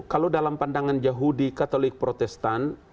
kalau dalam pandangan yahudi katolik protestan